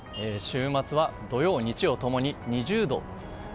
週末は土曜、日曜ともに２０度。